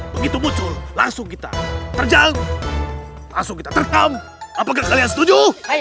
begitu muncul langsung kita terjal langsung kita terkam apakah kalian setuju